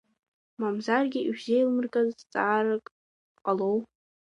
Мамзаргьы ишәзеилмыргаз зҵаарак ҟалоу?